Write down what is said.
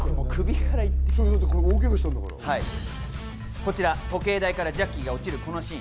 こちら、時計台からジャッキーが落ちるこのシーン。